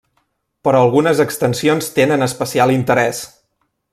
Però algunes extensions tenen especial interès.